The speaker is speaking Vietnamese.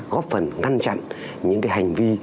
góp phần ngăn chặn những cái hành vi